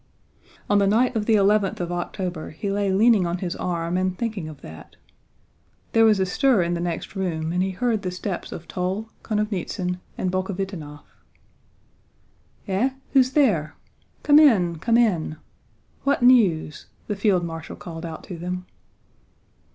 On the night of the eleventh of October he lay leaning on his arm and thinking of that. There was a stir in the next room and he heard the steps of Toll, Konovnítsyn, and Bolkhovítinov. "Eh, who's there? Come in, come in! What news?" the field marshal called out to them.